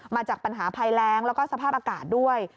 มาจากปัญหาภัยแรงแล้วก็สภาพอากาศด้วย